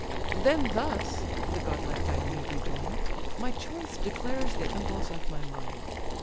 "Then thus (the godlike Diomed rejoin'd) My choice declares the impulse of my mind.